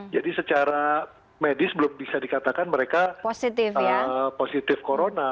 jadi secara medis belum bisa dikatakan mereka positif corona